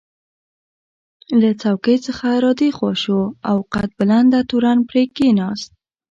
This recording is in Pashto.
له څوکۍ څخه را دې خوا شو او قد بلنده تورن پرې کېناست.